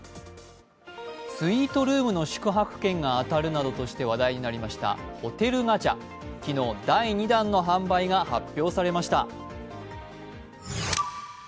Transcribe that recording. スイートルームの宿泊券が当たるなどとして話題になりましたホテルガチャ、昨日第２弾の発売が発表されました。